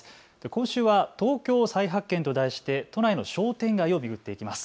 今週は東京再発見と題して都内の商店街を巡っていきます。